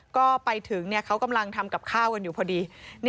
ก็ไปถึงเขากำลังทำกับข้าวกันอยู่พอดี